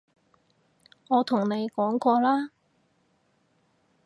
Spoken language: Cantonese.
我同你講過啦